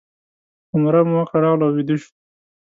عمره مو وکړه راغلو او ویده شوو.